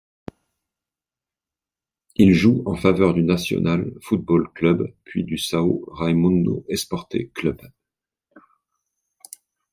Il joue en faveur du Nacional Futebol Clube puis du São Raimundo Esporte Clube.